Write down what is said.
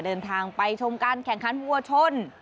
เดินทางไปชมการแข่งขันวัวชน